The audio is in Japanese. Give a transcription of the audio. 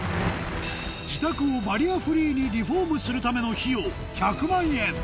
自宅をバリアフリーにリフォームするための費用１００万円